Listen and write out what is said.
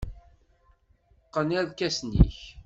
Qqen irkasen-nnek.